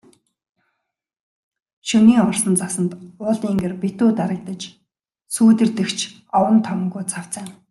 Шөнийн орсон цасанд уулын энгэр битүү дарагдаж, сүүдэртэх ч овон товонгүй цавцайна.